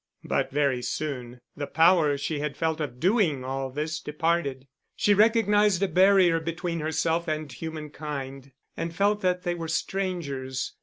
But very soon the power she had felt of doing all this departed; she recognised a barrier between herself and human kind, and felt that they were strangers.